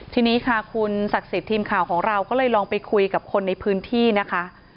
ทีนี้ค่ะคุณศักดิ์สิทธิ์ทีมข่าวของเราก็เลยลองไปคุยกับคนในพื้นที่นะคะ